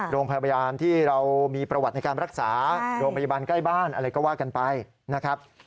โรงพยาบาลที่เรามีประวัติในการรักษาโรงพยาบาลใกล้บ้านอะไรก็ว่ากันไปนะครับ